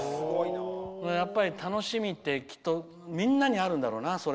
やっぱり楽しみってきっとみんなにあるんだろうな。